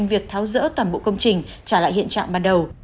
công ty đã tiếp hành việc tháo rỡ toàn bộ công trình trả lại hiện trạng ban đầu